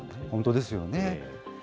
本当ですよね。